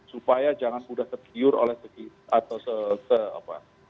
supaya jangan mudah tergiur oleh segi atau se apa